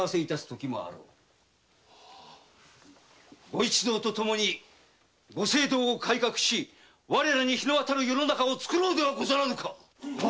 ご一同とともにご政道を改革し我らに日の当たる世を作ろうではないか！